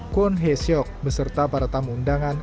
kwon hae seok beserta para tamu undangan